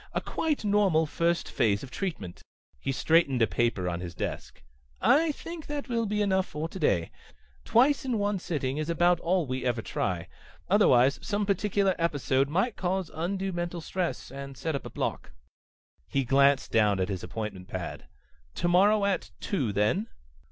A quite normal first phase of treatment." He straightened a paper on his desk. "I think that will be enough for today. Twice in one sitting is about all we ever try. Otherwise some particular episode might cause undue mental stress, and set up a block." He glanced down at his appointment pad. "Tomorrow at two, then?"